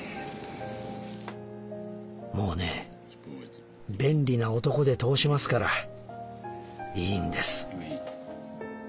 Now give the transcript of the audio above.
「もうね便利な男で通しますからいいんです」。